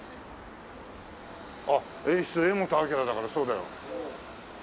あっ「演出柄本明」だからそうだよ。